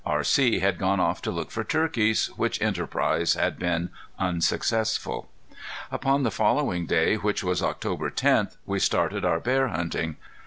R.C. had gone off to look for turkeys, which enterprise had been unsuccessful. Upon the following day, which was October tenth, we started our bear hunting.